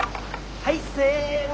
はいせの。